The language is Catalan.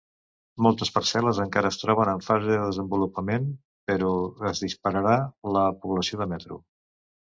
Moltes parcel·les encara es troben en fase de desenvolupament, però es dispararà la població de Metro.